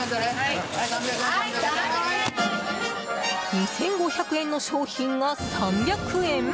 ２５００円の商品が３００円？